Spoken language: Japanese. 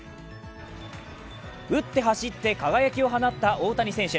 打って走って輝きを放った大谷選手。